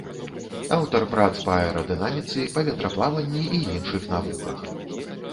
Аўтар прац па аэрадынаміцы, паветраплаванні і іншых навуках.